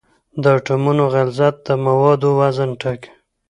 د اټومونو غلظت د موادو وزن ټاکي.